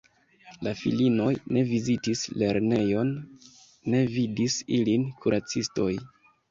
La filinoj ne vizitis lernejon, ne vidis ilin kuracistoj.